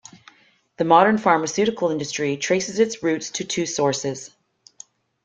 The modern pharmaceutical industry traces its roots to two sources.